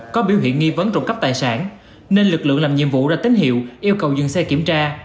có biểu hiện nghi vấn trộm cắp tài sản nên lực lượng làm nhiệm vụ ra tín hiệu yêu cầu dừng xe kiểm tra